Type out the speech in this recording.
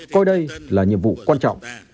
coi đây là nhiệm vụ quan trọng